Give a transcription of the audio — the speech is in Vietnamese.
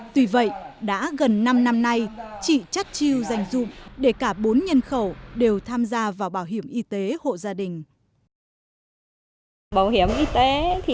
tuy vậy đã gần năm năm nay chị chắc chiêu dành dụng để cả bốn nhân khẩu đều tham gia vào bảo hiểm y tế hộ gia đình